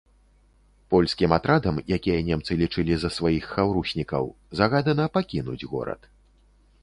Польскім атрадам, якія немцы лічылі за сваіх хаўруснікаў, загадана пакінуць горад.